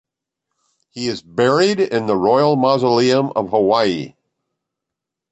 He is buried in the Royal Mausoleum of Hawaii.